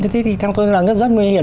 thế thì theo tôi nghĩ là rất là nguy hiểm